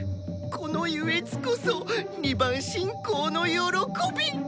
この愉悦こそ２番信仰の喜び。